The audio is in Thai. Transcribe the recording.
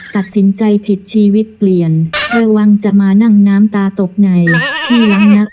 ตัดสินใจผิดชีวิตเปลี่ยนระวังจะมานั่งน้ำตาตกในที่หลังนัก